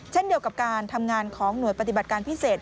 เช่นเดียวกับการทำงานของหน่วยปฏิบัติการพิเศษ